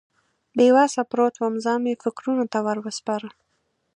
بې وسه پروت وم، ځان مې فکرونو ته ور وسپاره.